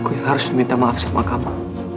aku yang harus minta maaf sama kamu